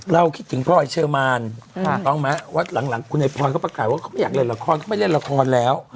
เราคิดถึงพ่อไอ้เชิร์มานว่าหลังคุณไอ้พอยก็ประกาศว่าเขาไม่อยากเล่นละครเขาไม่เล่นละครแล้ว